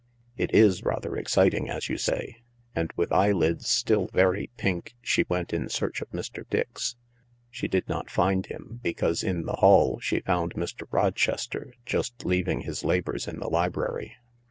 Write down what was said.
" It is rather exciting, as you say." And with eyelids still very pink she went in search of Mr. Dix, She did not find him, because in the hall she found Mr. Rochester, just leaving his labours in the library.